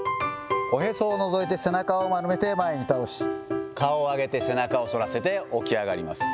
おへそをのぞいて背中を丸めて前に倒し、顔を上げて背中を反らせて起き上がります。